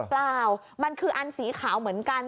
เปล่ามันคืออันสีขาวเหมือนกัน